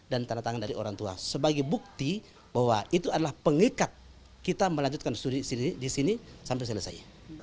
dan tandatangan dari orang tua sebagai bukti bahwa itu adalah pengikat kita melanjutkan studi di sini sampai selesai